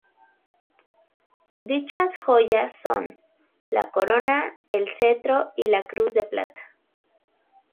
Dichas joyas son: la corona, el cetro y la cruz de plata.